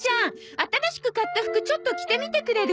新しく買った服ちょっと着てみてくれる？